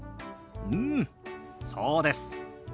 うんそうです。